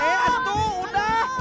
eh tuh udah